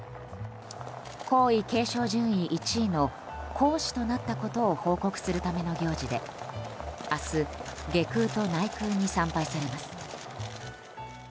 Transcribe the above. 皇位継承順位１位の皇嗣となったことを報告するための行事で、明日外宮と内宮に参拝されます。